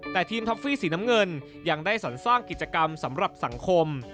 แต่ทีมท็อฟฟี่สีน้ำเงินยังได้สรรสร้างกิจกรรมสำหรับสังคม